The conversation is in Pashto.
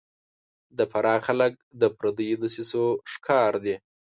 د فراه خلک د پردیو دسیسو ښکار دي